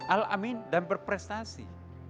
al amin dan berprestasi